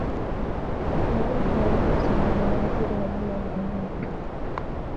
Magonjwa ya ngozi yanawaathiri wanyama wa aina mbalimbali